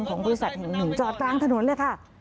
ของบริษัทแห่งหนึ่งจอดกลางถนนเลยค่ะ